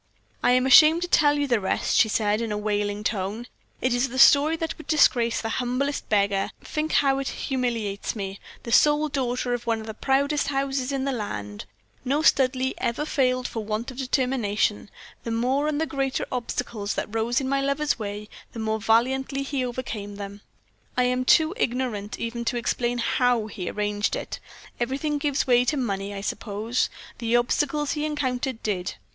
"I am ashamed to tell you the rest," she said, in a wailing tone. "It is a story that would disgrace the humblest beggar think how it humiliates me, the sole daughter of one of the proudest houses in the land. No Studleigh ever failed for want of determination. The more and the greater the obstacles that rose in my lover's way, the more valiantly he overcame them. I am too ignorant even to explain how he arranged it everything gives way to money, I suppose the obstacles he encountered did.